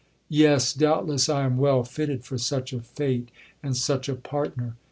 —'Yes, doubtless, I am well fitted for such a fate, and such a partner.